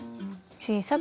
小さく。